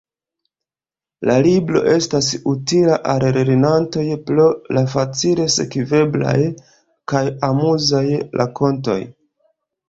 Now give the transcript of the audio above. La libro estas utila al lernantoj pro la facile sekveblaj kaj amuzaj rakontoj.